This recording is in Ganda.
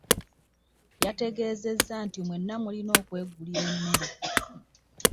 Yategeezezza nti mwenna mulina okwegulira emmere.